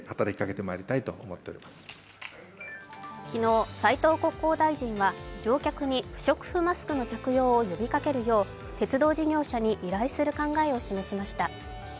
昨日、斉藤国交大臣は乗客に不織布マスクの着用を呼びかけるよう鉄道事業者に依頼する考えを示しました。